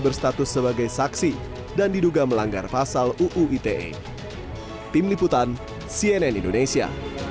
berstatus sebagai saksi dan diduga melanggar pasal uu ite tim liputan cnn indonesia